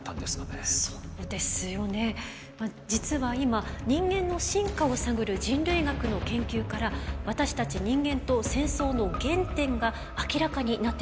実は今人間の進化を探る人類学の研究から私たち人間と戦争の原点が明らかになってきているんです。